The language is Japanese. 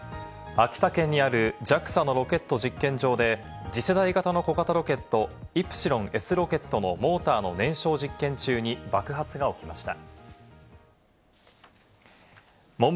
秋田県にあるＪＡＸＡのロケットからロケット実験場で次世代型の小型ロケットイプシロンＳロケットのモーターの燃焼中に爆発が起きました。